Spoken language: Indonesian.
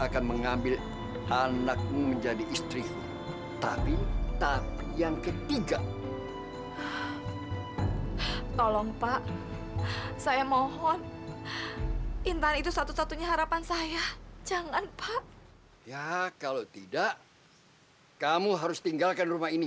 kalau jilbabnya dibuka mau gak